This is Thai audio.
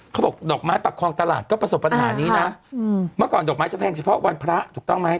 เขาบอกดอกไม้ปักคลองตลาดก็ประสบปัญหานี้นะเมื่อก่อนดอกไม้จะแพงเฉพาะวันพระถูกต้องไหม